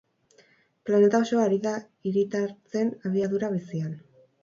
Planeta osoa ari da hiritartzen abiadura bizian.